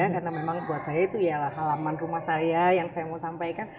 karena memang buat saya itu halaman rumah saya yang saya mau sampaikan